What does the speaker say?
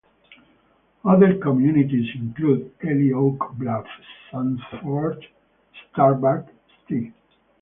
Other communities include Elie, Oak Bluff, Sanford, Starbuck, Ste.